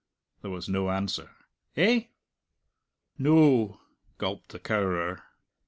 There was no answer. "Eh?" "No," gulped the cowerer.